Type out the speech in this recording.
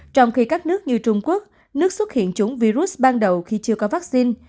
trong khi các nước như trung quốc nước xuất hiện chúng virus ban đầu khi chưa có vaccine